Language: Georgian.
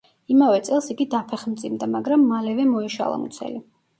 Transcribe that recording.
იმავე წელს იგი დაფეხმძიმდა, მაგრამ მალევე მოეშალა მუცელი.